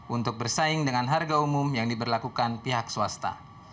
untuk bersaing dengan harga umum yang diberlakukan pihak swasta